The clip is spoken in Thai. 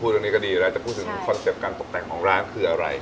ตรงนี้ก็ดีแล้วจะพูดถึงคอนเซ็ปต์การตกแต่งของร้านคืออะไร